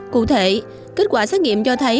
cụ thể kết quả xét nghiệm cho thấy